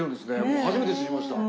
僕初めて知りました。